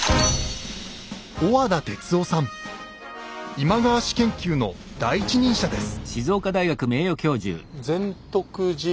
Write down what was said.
今川氏研究の第一人者です。